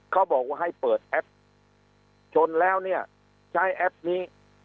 เขาบอกว่าให้เปิดแอปชนแล้วเนี่ยใช้แอปนี้